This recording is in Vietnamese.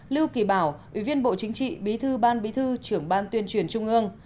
lưu kỳ bảo ủy viên bộ chính trị bí thư ban bí thư trưởng ban tuyên truyền trung ương